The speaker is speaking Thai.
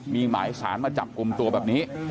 มีหมายสารมาจับกลุ่มตัวแบบนี้